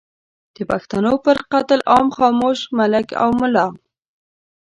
د پښتنو پر قتل عام خاموش ملک او ملا